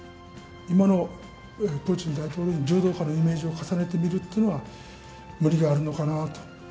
今のプーチン大統領に柔道家のイメージを重ねて見るっていうのは、無理があるのかなと。